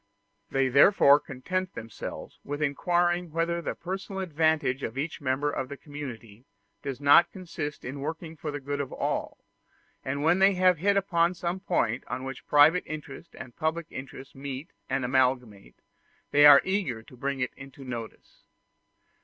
They therefore content themselves with inquiring whether the personal advantage of each member of the community does not consist in working for the good of all; and when they have hit upon some point on which private interest and public interest meet and amalgamate, they are eager to bring it into notice.